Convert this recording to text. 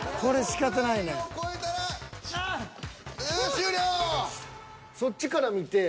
終了。